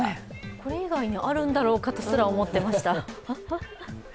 これ以外にあるんだろうかとすら思ってました。